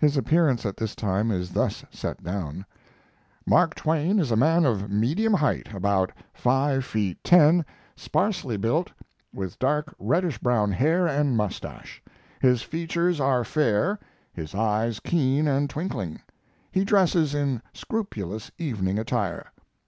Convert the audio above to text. His appearance at this time is thus set down: Mark Twain is a man of medium height, about five feet ten, sparsely built, with dark reddish brown hair and mustache. His features are fair, his eyes keen and twinkling. He dresses in scrupulous evening attire.